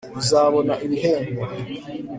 uzabona ibihembo